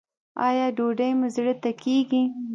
ایا ډوډۍ مو زړه ته کیږي؟